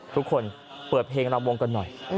ทุกคนเปิดเพลงลำวงกันหน่อย